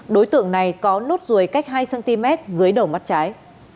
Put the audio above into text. đối tượng này có nốt ruồi cách hai cm dưới đầu mắt trái